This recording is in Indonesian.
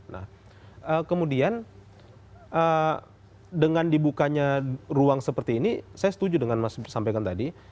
nah kemudian dengan dibukanya ruang seperti ini saya setuju dengan mas sampaikan tadi